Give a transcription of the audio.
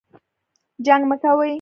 جنګ مه کوئ